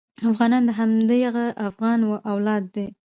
افغانان د همدغه افغان اولاد دي.